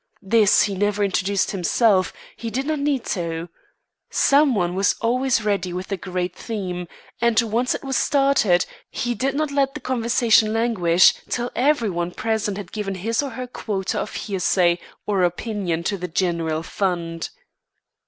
This he never introduced himself; he did not need to. Some one was always ready with the great theme; and once it was started, he did not let the conversation languish till every one present had given his or her quota of hearsay or opinion to the general fund.